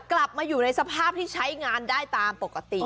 กลับมาอยู่ในสภาพที่ใช้งานได้ตามปกติ